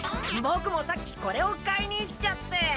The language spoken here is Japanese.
ボクもさっきこれを買いに行っちゃって。